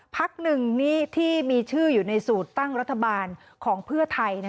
พักหนึ่งที่มีชื่ออยู่ในสูตรตั้งรัฐบาลของเพื่อไทย